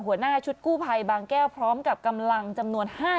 หัวหน้าชุดกู้ภัยบางแก้วพร้อมกับกำลังจำนวน๕